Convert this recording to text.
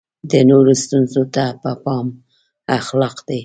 د نورو ستونزو ته پام اخلاق دی.